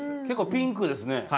結構ピンクですね。